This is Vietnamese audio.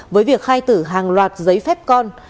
với việc khai tử hàng loạt giấy phép con